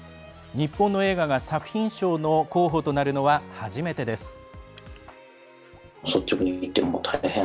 日本の映画が作品賞の候補となるのは初めてです。